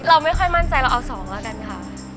เราไม่ค่อยมั่นใจเราเอา๒แล้วกันค่ะ